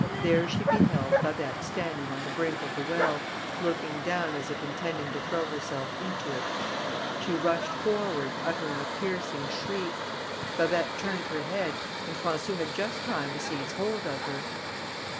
There she beheld Babet standing on the brink of the well, looking down as if intending to throw herself into it. She rushed forward, uttering a piercing shriek; Babet turned her head, and Françou had just time to seize hold of her.